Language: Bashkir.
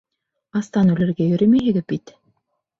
Астан үлергә йөрөмәйһегеҙ бит!